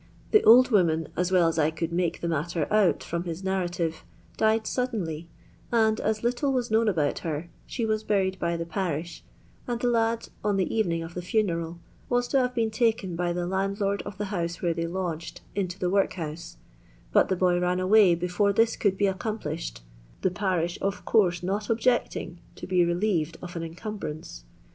The old woman, as well as I could make the matter out from his narrative, died suddenly, and, as little was known about her, she was buried by the parish, and the lad, on the evening of the funeral, was to have been taken by the landlord of the house where they lodged into the workhouse ; but the boy ran away before this could be accomplished; the parish of course not ob jecting to be relieved of an incumbrance.